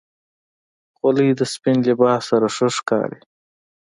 خولۍ د سپین لباس سره ښه ښکاري.